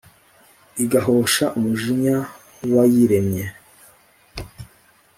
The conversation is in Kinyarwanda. igahosha umujinya w’Uwayiremye.